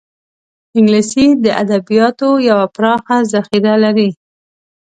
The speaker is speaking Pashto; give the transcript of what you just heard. انګلیسي د ادبیاتو یوه پراخه ذخیره لري